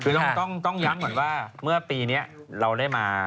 คือต้องย้ำก่อนว่าเมื่อปีนี้เราได้มา